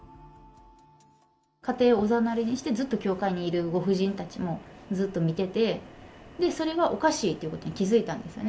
家庭をおざなりにして、ずっと教会にいるご婦人たちをずっと見てて、それがおかしいということに気付いたんですよね。